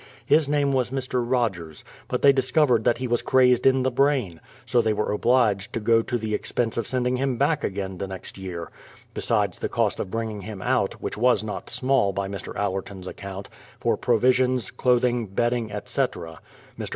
His name was Mr. Rogers; but they discovered that he was crazed in the brain; so they were obliged to go to the ex pense of sending him back again the next year; besides the cost of bringing him out, which was not small by Mr. Allerton's account, for provisions, clothing, bedding, etc. Mr.